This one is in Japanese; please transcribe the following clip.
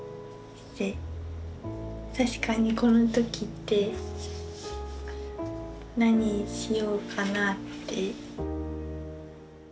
確かにこの時って何しようかなぁって。